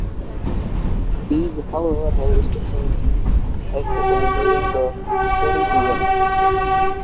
These however have restrictions, especially during the breeding season.